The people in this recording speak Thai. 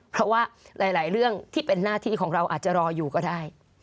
เพราะว่าหลายเรื่องที่เป็นหน้าที่ของเราอาจจะรออยู่ก็ได้